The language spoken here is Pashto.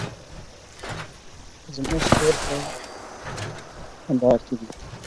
ده کوزی پښتونخوا سوات ډیر هائسته دې